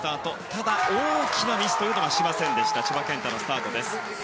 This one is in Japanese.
ただ大きなミスはしませんでした千葉健太のスタートです。